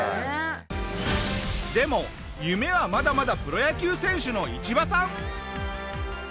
でも夢はまだまだプロ野球選手のイチバさん。